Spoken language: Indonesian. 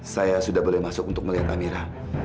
saya sudah boleh masuk untuk melihat amira